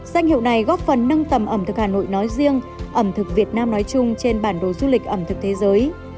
danh hiệu này góp phần nâng tầm ẩm thực hà nội nói riêng ẩm thực việt nam nói chung trên bản đồ du lịch ẩm thực thế giới